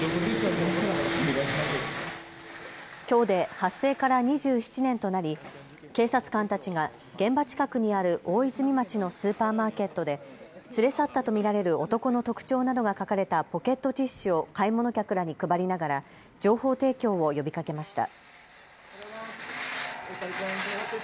きょうで発生から２７年となり警察官たちが現場近くにある大泉町のスーパーマーケットで連れ去ったと見られる男の特徴などが書かれたポケットティッシュを買い物客らに配りながら情報提供を呼びかけました。